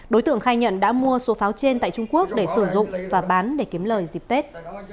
đối tượng khai nhận đã mua số pháo trên tại trung quốc để sử dụng và bán để kiếm lời dịp tết